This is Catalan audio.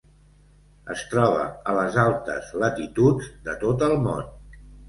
Es troba a les altes latituds de tot el món.